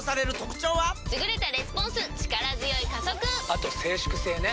あと静粛性ね。